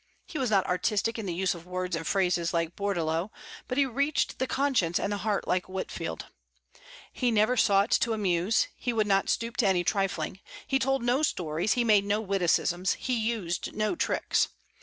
He was not artistic in the use of words and phrases like Bourdaloue, but he reached the conscience and the heart like Whitefield. He never sought to amuse; he would not stoop to any trifling. He told no stories; he made no witticisms; he used no tricks.